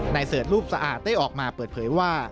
เสิร์ชรูปสะอาดได้ออกมาเปิดเผยว่า